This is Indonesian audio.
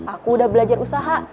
aku udah belajar usaha